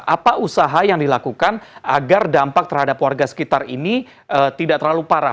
apa usaha yang dilakukan agar dampak terhadap warga sekitar ini tidak terlalu parah